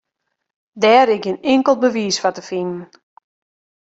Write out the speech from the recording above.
Dêr is gjin inkeld bewiis foar te finen.